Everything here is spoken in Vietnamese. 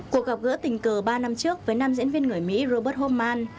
cuộc gặp gỡ tình cờ ba năm trước với nam diễn viên người mỹ robert homan